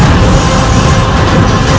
terima kasih raden